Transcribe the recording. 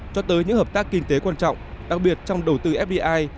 cho tới những hợp tác kinh tế quan trọng đặc biệt trong đầu tư fdi